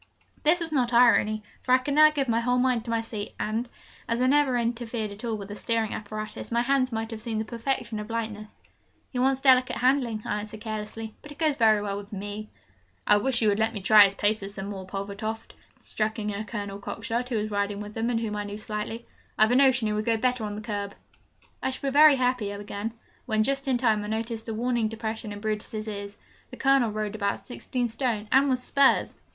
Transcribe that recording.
This was not irony, for I could now give my whole mind to my seat; and, as I never interfered at all with the steering apparatus, my hands must have seemed the perfection of lightness. 'He wants delicate handling,' I answered carelessly, 'but he goes very well with me.' 'I wish you would let me try his paces some morning, Pulvertoft,' struck in a Colonel Cockshott, who was riding with them, and whom I knew slightly: 'I've a notion he would go better on the curb.' 'I shall be very happy,' I began, when, just in time, I noticed a warning depression in Brutus's ears. The Colonel rode about sixteen stone, and with spurs!